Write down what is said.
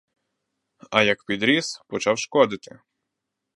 А як підріс — почав шкодити.